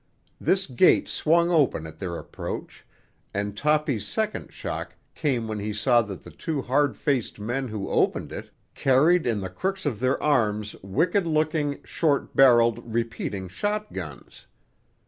This gate swung open at their approach, and Toppy's second shock came when he saw that the two hard faced men who opened it carried in the crooks of their arms wicked looking, short barrelled repeating shotguns.